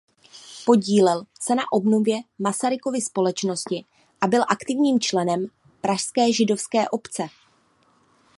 Podílel se na obnově Masarykovy společnosti a byl aktivním členem pražské židovské obce.